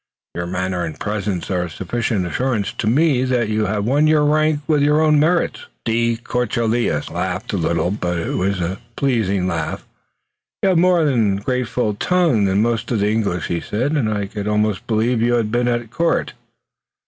Your manner and presence are sufficient assurance to me that you have won your rank with your own merits." De Courcelles laughed a little, but it was a pleased laugh. "You have a more graceful tongue than most of the English," he said, "and I could almost believe you had been at court."